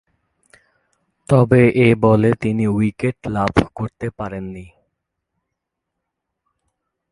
তবে এ বলে তিনি উইকেট লাভ করতে পারেননি।